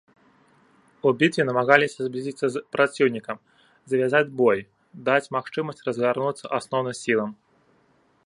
У бітве намагаліся зблізіцца з праціўнікам, завязаць бой, даць магчымасць разгарнуцца асноўным сілам.